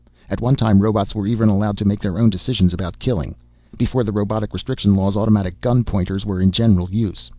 At one time robots were even allowed to make their own decisions about killing. Before the Robotic Restriction Laws automatic gun pointers were in general use.